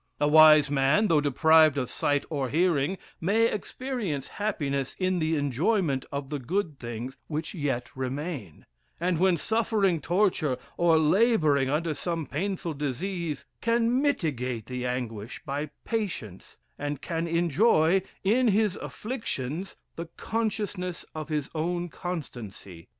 A wise man, though deprived of sight or hearing, may experience happiness in the enjoyment of the good things which yet remain; and when suffering torture, or laboring under some painful disease, can mitigate the anguish by patience, and can enjoy, in bis afflictions, the consciousness of bis own constancy.